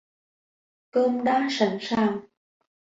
Cơm đã sẳn sàn